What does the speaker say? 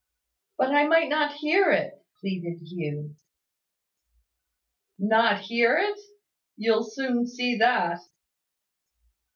"But I might not hear it," pleaded Hugh. "Not hear it? You'll soon see that."